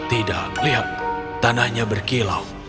tidak lihat tanahnya berkilau